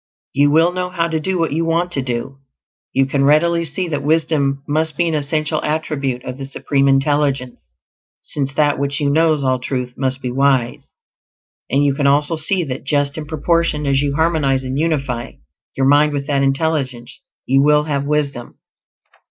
You will know how to do what you want to do. You can readily see that wisdom must be an essential attribute of the Supreme Intelligence, since That which knows all truth must be wise; and you can also see that just in proportion as you harmonize and unify your mind with that Intelligence you will have wisdom.